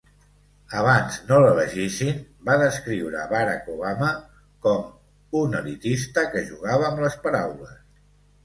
Abans no l'elegissin, va descriure Barack Obama com "un elitista que jugava amb les paraules".